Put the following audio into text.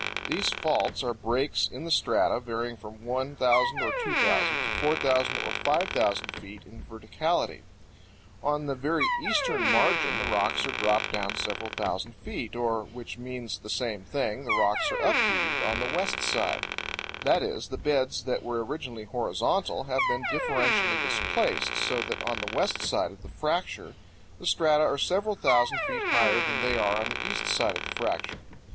These faults are breaks in the strata varying from 1,000 or 2,000 to 4,000 or 5,000 feet in verticality. On the very eastern margin the rocks are dropped down several thousand feet, or, which means the same thing, the rocks are upheaved on the west side; that is, the beds that were originally horizontal have been differentially displaced, so that on the west side of the fracture the strata are several thousand feet higher than they are on the east side of the fracture.